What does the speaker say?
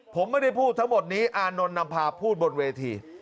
ผมไม่ได้พูดทั้งหมดนี้อานนท์นำพาพูดบนเวที